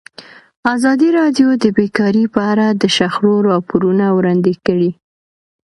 ازادي راډیو د بیکاري په اړه د شخړو راپورونه وړاندې کړي.